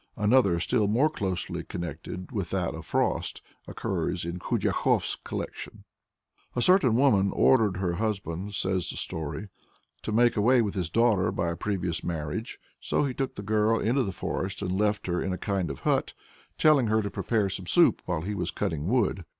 Another, still more closely connected with that of "Frost," occurs in Khudyakof's collection. A certain woman ordered her husband (says the story) to make away with his daughter by a previous marriage. So he took the girl into the forest, and left her in a kind of hut, telling her to prepare some soup while he was cutting wood.